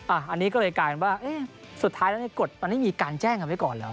อันนี้ก็เลยกลายเป็นว่าสุดท้ายแล้วในกฎมันไม่มีการแจ้งเอาไว้ก่อนเหรอ